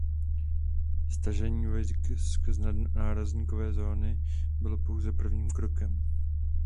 Stažení vojsk z nárazníkové zóny bylo pouze prvním krokem.